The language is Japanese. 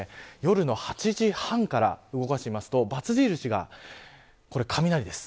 夜の８時半から動かしてみますとばつ印が雷です。